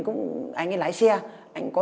có nghĩa là trang